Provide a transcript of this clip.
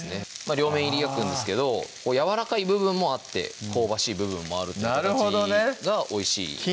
両面いり焼くんですけどやわらかい部分もあって香ばしい部分もあるって形がおいしいですね